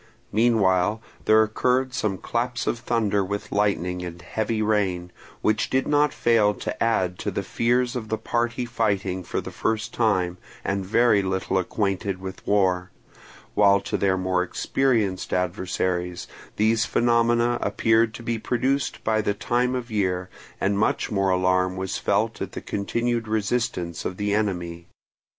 Meanwhile there occurred some claps of thunder with lightning and heavy rain, which did not fail to add to the fears of the party fighting for the first time, and very little acquainted with war; while to their more experienced adversaries these phenomena appeared to be produced by the time of year, and much more alarm was felt at the continued resistance of the enemy.